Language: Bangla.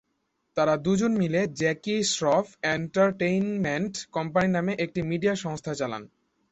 তারা দুজনে মিলে জ্যাকি শ্রফ এন্টারটেইনমেন্ট কোম্পানি নামে একটি মিডিয়া সংস্থা চালান।